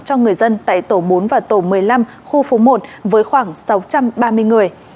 cho người dân tại tổ bốn và tổ một mươi năm khu phố một với khoảng sáu trăm ba mươi người